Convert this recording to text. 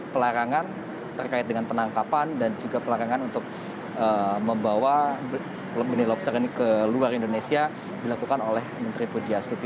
pelarangan terkait dengan penangkapan dan juga pelarangan untuk membawa benih lobster ini ke luar indonesia dilakukan oleh menteri pujiastuti